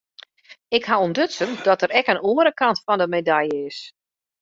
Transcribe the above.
Ik haw ûntdutsen dat der ek in oare kant fan de medalje is.